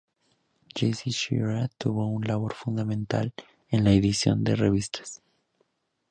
Jesse Shera tuvo una labor fundamental en la edición de revistas.